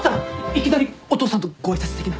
いきなりお父さんとご挨拶的な？